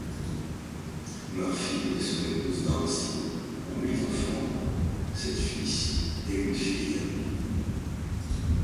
Murphy et son épouse Nancy ont huit enfants, sept fils et une fille.